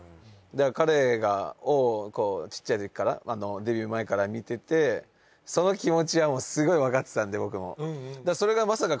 彼をちっちゃいときからデビュー前から見ててその気持ちはすごいわかってたんで僕も。